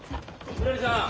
ひらりさん。